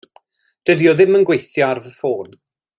Dydi o ddim yn gweithio ar fy ffôn.